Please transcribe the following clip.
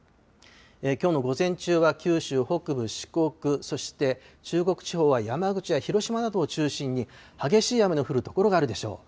きょうの午前中は九州北部、四国、そして、中国地方は山口や広島などを中心に激しい雨の降る所があるでしょう。